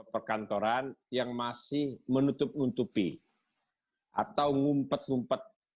perkantoran yang masih menutup nutupi atau ngumpet ngumpet